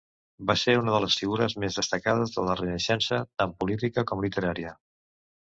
Va ser una de les figures més destacades de la Renaixença, tant política com literària.